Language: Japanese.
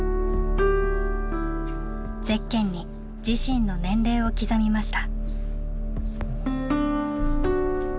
ゼッケンに自身の年齢を刻みました。